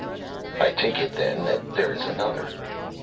"I take it then that there is another."